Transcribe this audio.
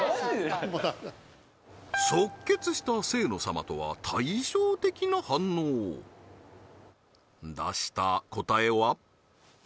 即決した清野様とは対照的な反応出した答えは？